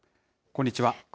こんにちは。